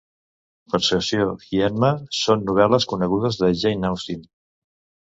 Persuasió i Emma són novel·les conegudes de Jane Austen.